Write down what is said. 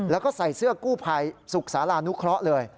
แล้วก็ใส่เสื้อกู้ภัยสุขศาลานุเคราะห์เลย